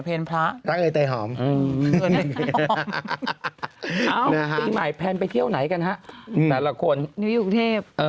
เดินทางเหรอใหญ่โตแล้วคุณแม่